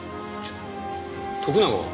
徳永は？